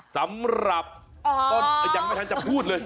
สำหรับต้นยังไม่ทันจะพูดเลย